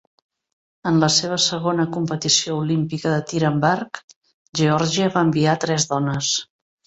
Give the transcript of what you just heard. En la seva segona competició olímpica de tir amb arc, Geòrgia va enviar tres dones.